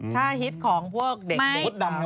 ท่าฮิตของพวกเด็กดี